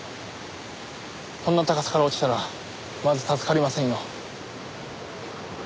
こんな高さから落ちたらまず助かりませんよ。